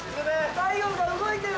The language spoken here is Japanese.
太陽が動いてる！